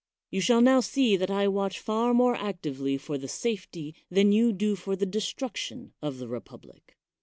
You shall now see that I watch far more actively for the safety than you do for the de struction of the republic.